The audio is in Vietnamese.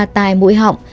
tài mũi họng